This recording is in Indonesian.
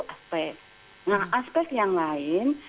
aspek nah aspek yang lain